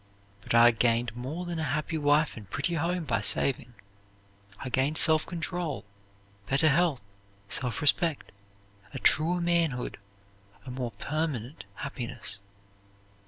But I gained more than a happy wife and pretty home by saving; I gained self control, better health, self respect, a truer manhood, a more permanent happiness.